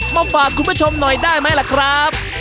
มาฝากคุณผู้ชมหน่อยได้ไหมล่ะครับ